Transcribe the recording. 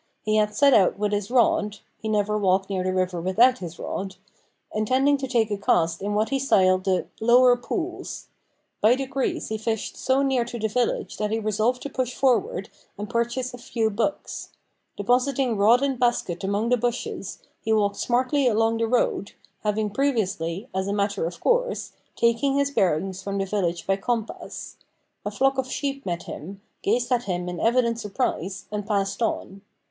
He had set out with his rod, (he never walked near the river without his rod), intending to take a cast in what he styled the "lower pools." By degrees he fished so near to the village that he resolved to push forward and purchase a few books. Depositing rod and basket among the bushes, he walked smartly along the road, having previously, as a matter of course, taken his bearings from the village by compass. A flock of sheep met him, gazed at him in evident surprise, and passed on.